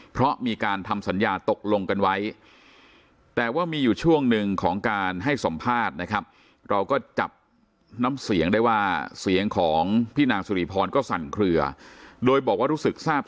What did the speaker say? เพราะมีการทำสัญญาตกลงกันไว้แต่ว่ามีอยู่ช่วงหนึ่งของการให้สมภาษณ์นะครับ